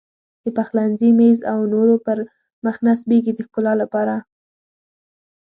د پخلنځي میز او نورو پر مخ نصبېږي د ښکلا لپاره.